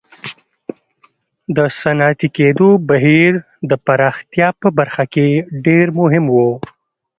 د صنعتي کېدو بهیر د پراختیا په برخه کې ډېر مهم و.